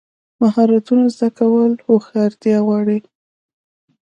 مهارتونه زده کول هوښیارتیا غواړي.